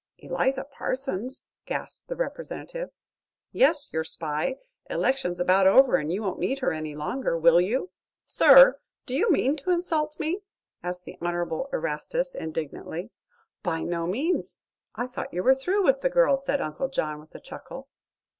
"Eliza Parsons!" gasped the Representative. "Yes, your spy. Election's about over and you won't need her any longer, will you?" "Sir, do you mean to insult me?" asked the Honorable Erastus, indignantly. "By no means. I thought you were through with the girl," said Uncle John with a chuckle.